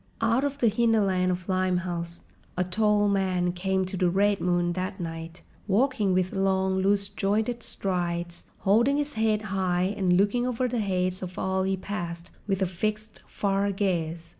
Out of the hinterland of Limehouse, a tall man came to the Red Moon that night, walking with long, loose jointed strides, holding his head high and looking over the heads of all he passed with a fixed, far gaze.